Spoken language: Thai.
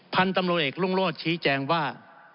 พันธุ์ตำรวจเอกรุ่งโรธชี้แจงว่า